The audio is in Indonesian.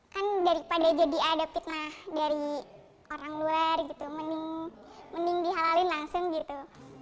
kan daripada jadi ada fitnah dari orang luar gitu mending dihalalin langsung gitu